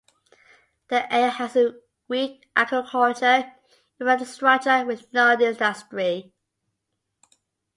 The area has a weak agriculture infrastructure with no industry.